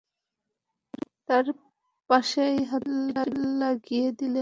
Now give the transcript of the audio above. তার পাশেই হাতুড়িটা লাগিয়ে দিলেন।